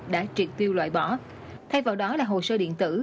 đã triệt tiêu loại bỏ thay vào đó là hồ sơ điện tử